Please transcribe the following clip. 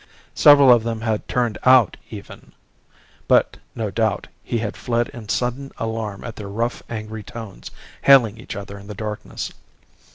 Several of them turned out even, but, no doubt, he had fled in sudden alarm at their rough angry tones hailing each other in the darkness.